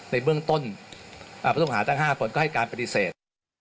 ในเบื้องต้นผู้ต้องหาทั้ง๕คนก็ให้การปฏิเสธ